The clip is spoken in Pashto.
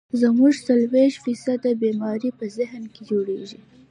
زمونږ څلوېښت فيصده بيمارۍ پۀ ذهن کښې جوړيږي